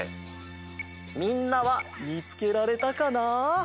みんなはみつけられたかな？